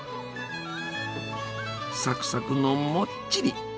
サクサクのもっちり！